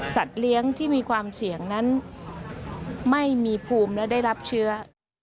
เลี้ยงที่มีความเสี่ยงนั้นไม่มีภูมิและได้รับเชื้อ